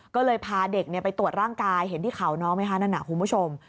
ก็เลยพาเด็กไปตรวจร่างกายเห็นที่เขาน้องไหมคะนั่นน่ะคุณผู้ชม